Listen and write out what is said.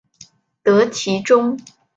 得其中